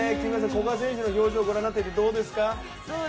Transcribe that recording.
古賀選手の表情ご覧になっていてどうですか？